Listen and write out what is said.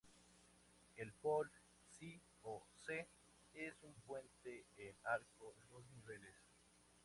El Pol Si-o-se es un puente en arco de dos niveles.